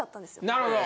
なるほど。